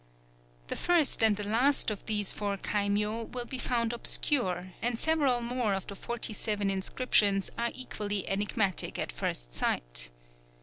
_" The first and the last of these four kaimyō will be found obscure; and several more of the forty seven inscriptions are equally enigmatic at first sight.